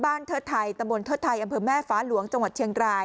เทิดไทยตำบลเทิดไทยอำเภอแม่ฟ้าหลวงจังหวัดเชียงราย